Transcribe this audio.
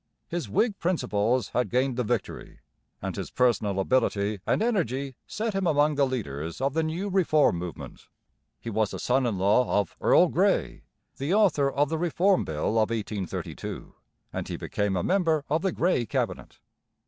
His Whig principles had gained the victory; and his personal ability and energy set him among the leaders of the new reform movement. He was a son in law of Earl Grey, the author of the Reform Bill of 1832, and he became a member of the Grey Cabinet.